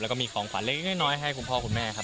แล้วก็มีของขวัญเล็กน้อยให้คุณพ่อคุณแม่ครับ